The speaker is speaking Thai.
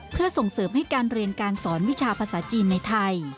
เพื่อส่งเสริมให้การเรียนการสอนวิชาภาษาจีนในไทย